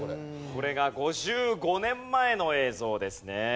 これが５５年前の映像ですね。